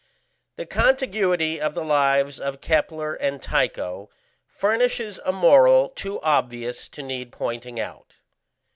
] The contiguity of the lives of Kepler and Tycho furnishes a moral too obvious to need pointing out.